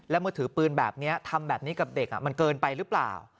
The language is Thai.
แล้วเมื่อถือปืนแบบนี้ทำแบบนี้กับเด็กมันเกินไปหรือเปล่า